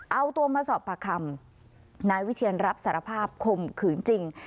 เอาตัวมาสอบปากคำนายวิเชียนรับสารภาพข่มขืนจริง